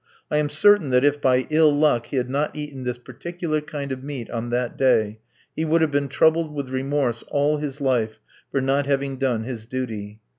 I am certain that if by ill luck he had not eaten this particular kind of meat on that day, he would have been troubled with remorse all his life for not having done his duty.